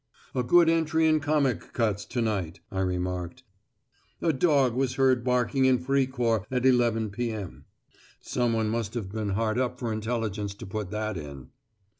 "A good entry in Comic Cuts to night," I remarked. "'A dog was heard barking in Fricourt at 11 p.m.' Someone must have been hard up for intelligence to put that in."